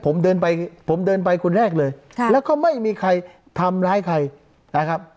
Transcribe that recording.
ผมเดินไปผมเดินไปคนแรกเลยค่ะแล้วก็ไม่มีใครทำร้ายใครนะครับ